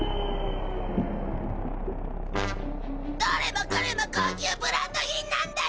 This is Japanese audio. どれもこれも高級ブランド品なんだよ！